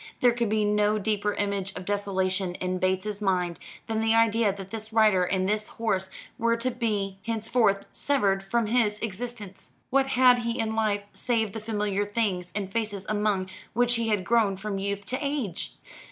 There could be no deeper image of desolation in Bates's mind than the idea that this rider and this horse were to be henceforth severed from his existence. What had he in life save the familiar things and faces among which he had grown from youth to age?